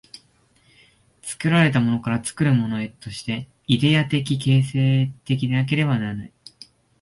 作られたものから作るものへとして、イデヤ的形成的でなければならない。